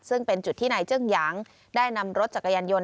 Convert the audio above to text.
ซึ่งเป็นจุดที่นายเจื้องหยางได้นำรถจักรยานยนต